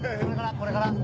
これから？